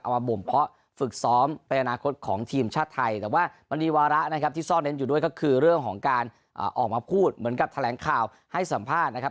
มาบ่มเพาะฝึกซ้อมเป็นอนาคตของทีมชาติไทยแต่ว่ามันมีวาระนะครับที่ซ่อนเน้นอยู่ด้วยก็คือเรื่องของการออกมาพูดเหมือนกับแถลงข่าวให้สัมภาษณ์นะครับ